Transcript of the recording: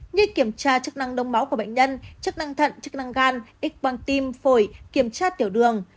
như kiểm tra chức năng đông máu của bệnh nhân chức năng thận chức năng gan xon tim phổi kiểm tra tiểu đường